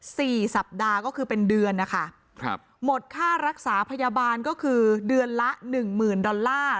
สี่สัปดาห์ก็คือเป็นเดือนนะคะครับหมดค่ารักษาพยาบาลก็คือเดือนละหนึ่งหมื่นดอลลาร์